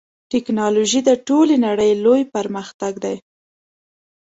ټکنالوژي د ټولې نړۍ لوی پرمختګ دی.